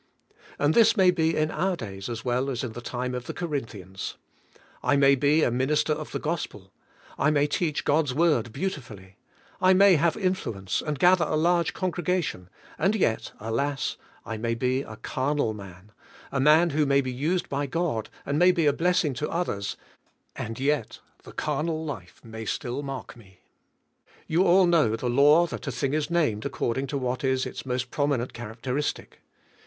And this may be in our days as well as in the time of the Corinthians. I may be a minister of the Gospel; I may teach God's Word beautifully; I may have influence, and gather a large congre gation, and yet, alas! I may be a carnal man; a man who may be used by God, and may be a blessing to others, and yet the carnal life may still mark me. You all know the law that a thing is named according to what is its most prominent characteristic.